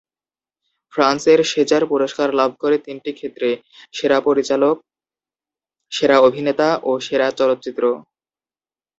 ফ্রান্সের সেজার পুরস্কার লাভ করে তিনটি ক্ষেত্রে: সেরা পরিচালক, সেরা অভিনেতা ও সেরা চলচ্চিত্র।